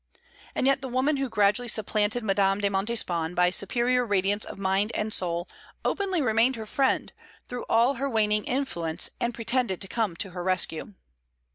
And yet the woman who gradually supplanted Madame de Montespan by superior radiance of mind and soul openly remained her friend, through all her waning influence, and pretended to come to her rescue.